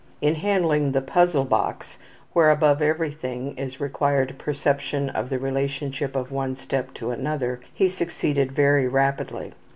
In handling the puzzle box, where above everything is required perception of the relationship of one step to another, he succeeded very rapidly.